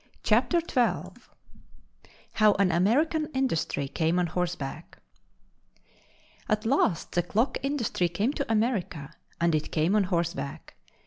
CHAPTER TWELVE How An American Industry Came On Horseback At last the clock industry came to America, and it came on horseback.